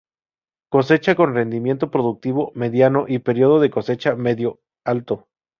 Cosecha con rendimiento productivo mediano, y periodo de cosecha medio-alto.